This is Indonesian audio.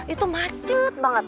itu macet banget